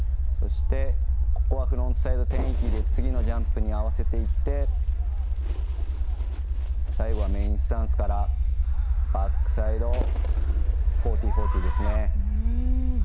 そしてフロントサイド１０８０で次のジャンプに合わせていって最後はメインスタンスからバックサイド１４４０ですね。